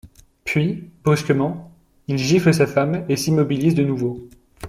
Puis, brusquement, il gifle sa femme et s'immobilise de nouveau.